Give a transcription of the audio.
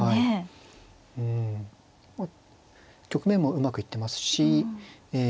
うん局面もうまくいってますしえまあ